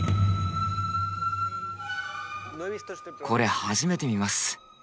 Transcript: これ初めて見ます。